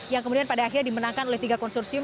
yang kemudian pada akhirnya dimenangkan oleh tiga konsorsium